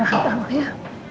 udah gak mau istirahat tau ya